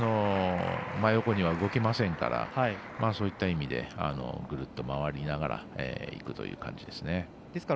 真横には動けませんからそういった意味でグルッと回りながらいくという感じですね。